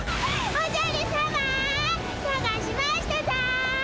おじゃるさまさがしましたぞ！